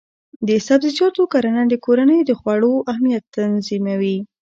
د سبزیجاتو کرنه د کورنیو د خوړو امنیت تضمینوي.